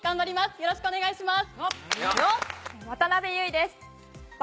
よろしくお願いします。